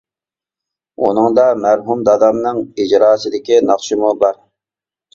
ئۇنىڭدا مەرھۇم دادامنىڭ ئىجراسىدىكى ناخشىمۇ بار.